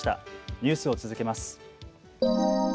ニュースを続けます。